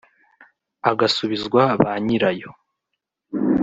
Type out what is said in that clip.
agasubizwa ba nyir’ayo